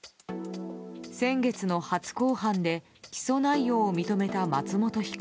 先月の初公判で起訴内容を認めた松本被告。